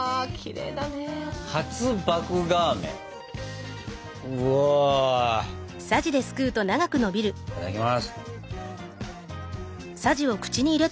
いただきます。